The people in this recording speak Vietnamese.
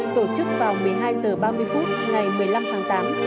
tổ chức vào một mươi hai h ba mươi phút ngày một mươi năm tháng tám